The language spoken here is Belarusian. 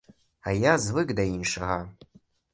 А я звык да іншага.